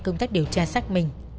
công tác điều tra xác minh